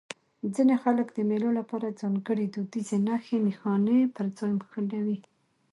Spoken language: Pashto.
ځيني خلک د مېلو له پاره ځانګړي دودیزې نخښي نښانې پر ځان موښلوي.